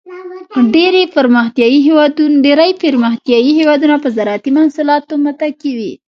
ډېری پرمختیایي هېوادونه په زراعتی محصولاتو متکی وي.